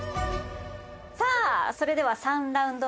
さあそれでは。